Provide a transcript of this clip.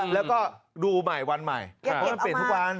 แล้วก็ดูใหม่วันใหม่เพราะมันเปลี่ยนทุกวัน